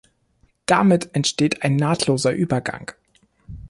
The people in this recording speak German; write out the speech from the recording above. Damit entsteht ein nahtloser Übergang.